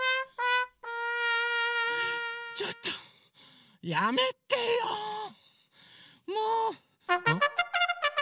ちょっとやめてよもう！